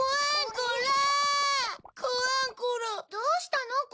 どうしたの？